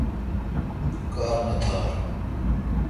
کار نہ تھال۔